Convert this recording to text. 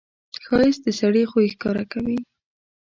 ښایست د سړي خوی ښکاروي